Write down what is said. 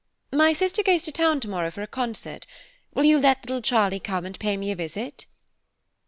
My sister goes to town to morrow for a concert. Will you let little Charlie come and pay me a visit?"